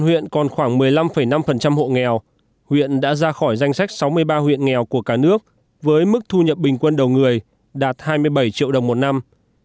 huyện đã ra khỏi danh sách sáu mươi ba huyện nghèo của cả nước với mức thu nhập bình quân đầu người đạt hai mươi bảy triệu đồng một năm